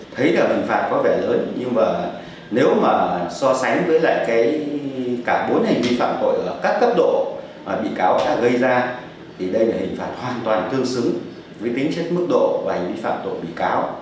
thấy là hình phạt có vẻ lớn nhưng mà nếu mà so sánh với lại cái cả bốn hành vi phạm tội là các cấp độ bị cáo đã gây ra thì đây là hình phạt hoàn toàn tương xứng với tính chất mức độ và hành vi phạm tội bị cáo